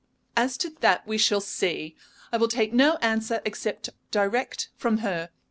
"As to that, we shall see. I will take no answer except direct from her.